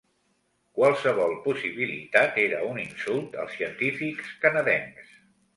Qualsevol possibilitat era un insult als científics canadencs.